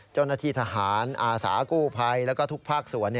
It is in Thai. เจ้าหน้าที่ทหารอาสากู้ภัยแล้วก็ทุกภาคส่วน